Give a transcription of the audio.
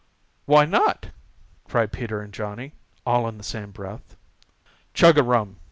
"Why not?" cried Peter and Johnny, all in the same breath. "Chug a rum!"